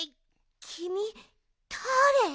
きみだれ？